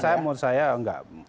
saya menurut saya enggak